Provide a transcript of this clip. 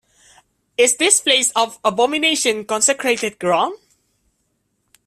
Is this place of abomination consecrated ground?